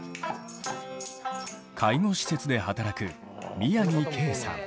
介護施設で働く宮城圭さん。